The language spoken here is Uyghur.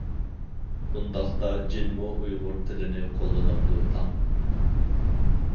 ئۇنداقتا جىنمۇ ئۇيغۇر تىلىنى قوللىنامدۇ؟ تاڭ.